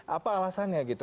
apa alasannya gitu